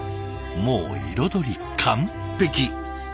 もう彩り完璧！